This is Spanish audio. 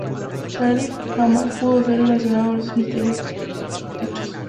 Sharif jamás pudo ser relacionado con estos misteriosos hechos.